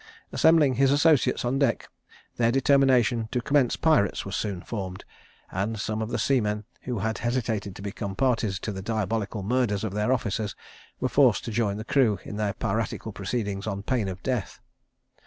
Assembling his associates on deck, their determination to commence pirates was soon formed; and some of the seamen who had hesitated to become parties to the diabolical murders of their officers, were forced to join the crew in their piratical proceedings on pain of death.